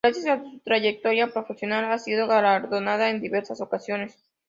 Gracias a su trayectoria profesional ha sido galardona en diversas ocasiones.